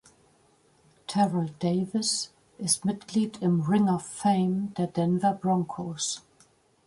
Terrell Davis ist Mitglied im "Ring of Fame" der Denver Broncos.